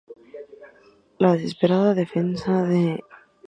La desesperada defensa que intentaron algunos grupos indígenas llevó a nuevas matanzas.